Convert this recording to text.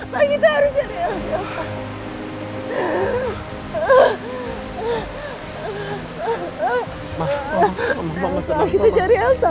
ma kita harus cari elsa